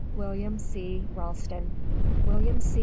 WILLIAM C. RALSTON. William C.